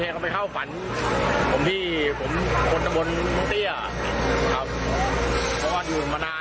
ก็เลยไปขออุโยชน์กับเจ้าของบ่อว่า